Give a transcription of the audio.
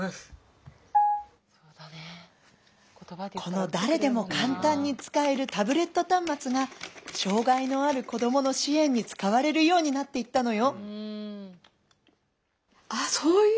「この誰でも簡単に使えるタブレット端末が障害のある子どもの支援に使われるようになっていったのよ」。